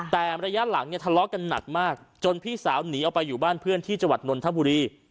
แต่ระยะหลังเนี่ยทะเลาะกันหนักมากจนพี่สาวหนีออกไปอยู่บ้านเพื่อนที่จังหวัดนนทบุรี